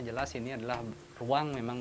jelas ini adalah ruang